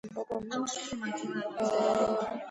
თავის გვარში ყველაზე პატარა წევრია.